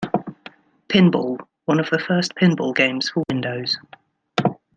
Pinball, one of the first pinball games for Windows.